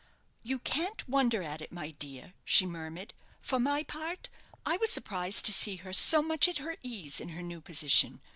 "You can't wonder at it, my dear," she murmured. "For my part, I was surprised to see her so much at her ease in her new position.